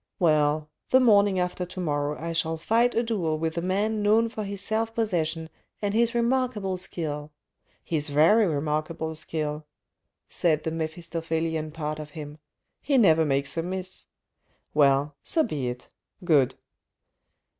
. Well, the morning after to morrow I shall fight a duel with a man known for his self possession and his remarkable skill ... his very remark able skill," said the Mephistophelian part of him ;" he never makes a miss. Well, so be it — good."